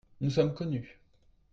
Nous sommes connus.